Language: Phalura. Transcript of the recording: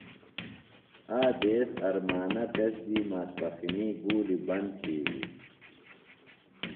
آ دیس ارمانہ تس دی ماسپخنی گُولیۡ بند تِھیلیۡ۔